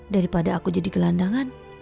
daripada aku jadi gelandangan